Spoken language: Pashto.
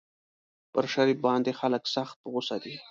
پر شریف باندې خلک سخت په غوسه دي.